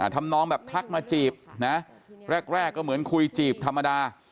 ทำนองแบบทักมาจีบนะแรกก็เหมือนคุยจีบธรรมดา